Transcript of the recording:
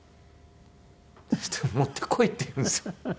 「持ってこい」って言うんですよ。